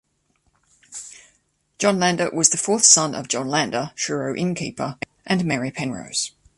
John Lander was the fourth son of John Lander, Truro innkeeper and Mary Penrose.